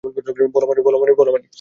বল, মারি।